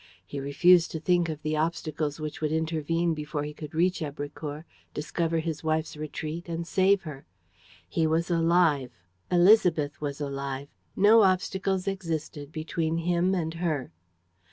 He refused to think of the obstacles which would intervene before he could reach Èbrecourt, discover his wife's retreat and save her. He was alive. Élisabeth was alive. No obstacles existed between him and her.